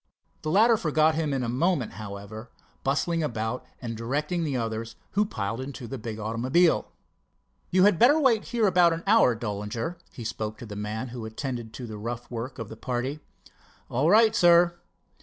The latter forgot him in a moment, however, bustling about and directing the others, who piled into the big automobile. "You had better wait here about an hour, Dollinger," he spoke to the man who attended to the rough work of the party. "All right, sir."